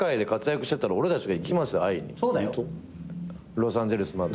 ロサンゼルスまで。